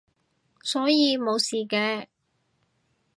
所以冇事嘅